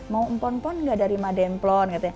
mau empon empon gak dari mademplon